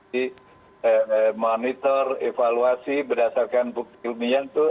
di monitor evaluasi berdasarkan bukti ilmiah itu